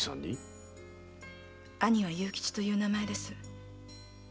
兄は“勇吉”という名前です。